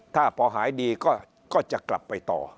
ถ้าพอหายดีก็จะกลับไปต่อ